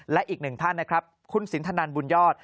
และอีกหนึ่งท่านนะครับคุณสินทนันบุญยอด